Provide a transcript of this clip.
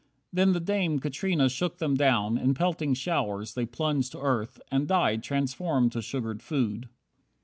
Then the dame Katrina shook them down, in pelting showers They plunged to earth, and died transformed to sugared food.